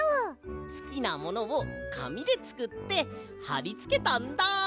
すきなものをかみでつくってはりつけたんだ！